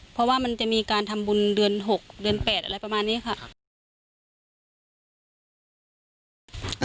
เพราะว่ามันจะมีการทำบุญเดือน๖เดือน๘อะไรประมาณนี้ค่ะ